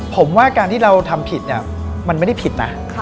ผมว่าการที่เราทำผิดเนี่ยมันไม่ได้ผิดนะ